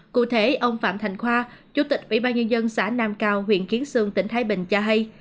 cụ thể ông phạm thành khoa chủ tịch ủy ban nhân dân xã nam cao huyện kiến sương tỉnh thái bình cho hay